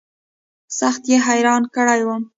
سخت يې حيران کړى وم.